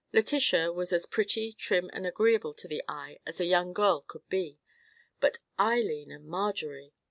Letitia was as pretty, trim, and agreeable to the eye as a young girl could be; but Eileen and Marjorie!